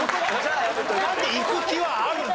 なんでいく気はあるんだ。